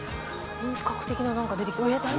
本格的ななんか出てきた。